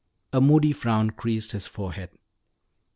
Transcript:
A moody frown creased his forehead.